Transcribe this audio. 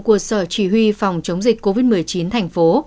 của sở chỉ huy phòng chống dịch covid một mươi chín thành phố